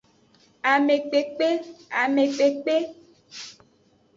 Amekpekpe, amekpekpe.